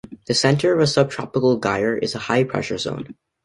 The center of a subtropical gyre is a high pressure zone.